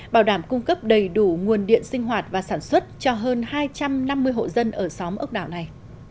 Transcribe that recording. bảo đảm cung cấp đầy đủ nguồn điện sinh hoạt và sản xuất cho hơn hai trăm năm mươi hộ dân ở xóm ốc đảo này